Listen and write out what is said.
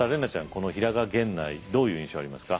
この平賀源内どういう印象ありますか？